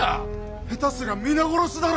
下手すりゃ皆殺しだら！